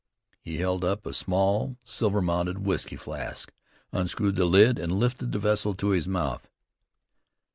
He held up a small, silver mounted whiskey flask, unscrewed the lid, and lifted the vessel to his mouth.